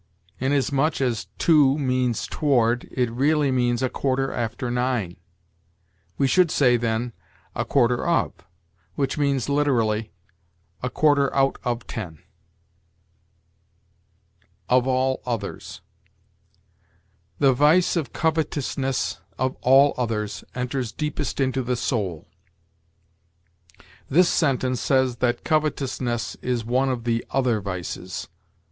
Inasmuch as to means toward, it really means a quarter after nine. We should say, then, a quarter of, which means, literally, a quarter out of ten. OF ALL OTHERS. "The vice of covetousness, of all others, enters deepest into the soul." This sentence says that covetousness is one of the other vices.